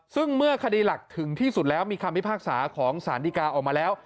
ซึ่งเมื่อคดีหลักถึงที่สุดแล้วมีคำพิพากษาของสารดีกาออกมาแล้ว